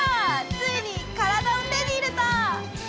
ついに体を手に入れた！